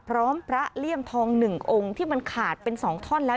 พร้อมพระเลี่ยมทอง๑องค์ที่มันขาดเป็น๒ท่อนแล้ว